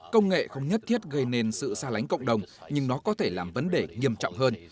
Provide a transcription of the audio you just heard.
công nghệ không nhất thiết gây nên sự xa lánh cộng đồng nhưng nó có thể làm vấn đề nghiêm trọng hơn